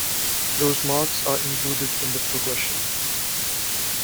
Those marks are included in the progression.